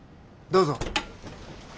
どうぞ。